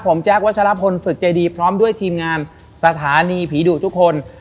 ผมแจ๊ควัชลพลฝึกใจดีพร้อมด้วยทีมงานสถานีผีดุทุกคน